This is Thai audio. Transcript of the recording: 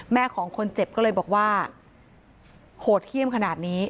ของคนเจ็บก็เลยบอกว่าโหดเยี่ยมขนาดนี้